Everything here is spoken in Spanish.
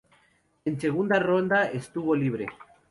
En segunda ronda estuvo libre.